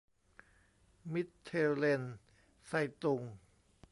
มิตเทลเลนไซตุง